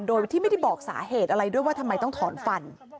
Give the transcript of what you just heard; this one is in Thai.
โดยที่ไม่ได้บอกสาเหตุอะไรด้วยว่าทำไมต้องถอนฟัน